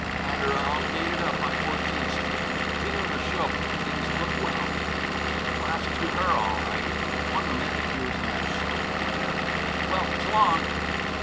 Had her all dated up by Fourteenth Street. Dinner and a show, if things look well. Some class to her, all right. One the manicures in that shop down there. Well, s'long!"